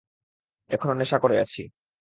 এখনো নেশা করে আছি।